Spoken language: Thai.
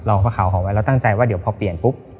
ผ้าขาวห่อไว้แล้วตั้งใจว่าเดี๋ยวพอเปลี่ยนปุ๊บ